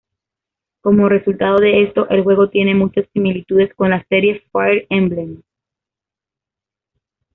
Como resultado de esto, el juego tiene muchas similitudes con la serie "Fire Emblem".